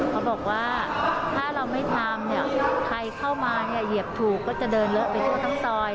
เขาบอกว่าถ้าเราไม่ทำเนี่ยใครเข้ามาเนี่ยเหยียบถูกก็จะเดินเลอะไปทั่วทั้งซอย